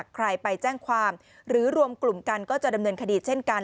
ใครไปแจ้งความหรือรวมกลุ่มกันก็จะดำเนินคดีเช่นกัน